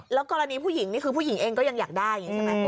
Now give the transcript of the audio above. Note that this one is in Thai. แล้วกรณีผู้หญิงนี่คือผู้หญิงเองก็ยังอยากได้